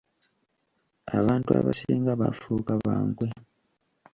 Abantu abasinga baafuuka ba nkwe.